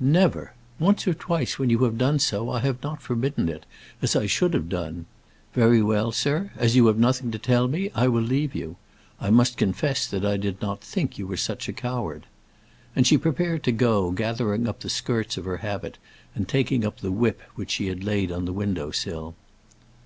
"Never! Once or twice, when you have done so, I have not forbidden it, as I should have done. Very well, sir, as you have nothing to tell me, I will leave you. I must confess that I did not think you were such a coward." And she prepared to go, gathering up the skirts of her habit, and taking up the whip which she had laid on the window sill.